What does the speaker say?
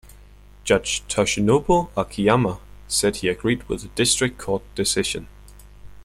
Judge Toshinobu Akiyama said he agreed with the District Court decision.